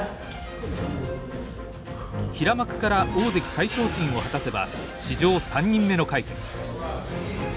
平幕から大関再昇進を果たせば史上３人目の快挙。